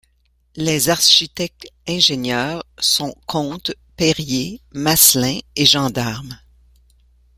Les architectes-ingénieurs sont Conte, Perrier, Masselin et Gendarme.